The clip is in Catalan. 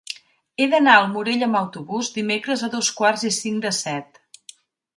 He d'anar al Morell amb autobús dimecres a dos quarts i cinc de set.